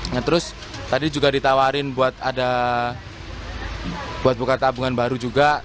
nah terus tadi juga ditawarin buat buka tabungan baru juga